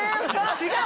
違う。